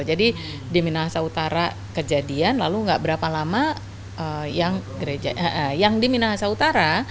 jadi di minahasa utara kejadian lalu gak berapa lama yang gereja yang di minahasa utara